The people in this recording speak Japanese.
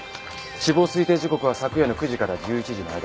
死亡推定時刻は昨夜の９時から１１時の間だそうです。